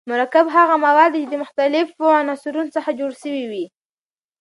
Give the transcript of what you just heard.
مرکب هغه مواد دي چي د مختليفو عنصرونو څخه جوړ سوی وي.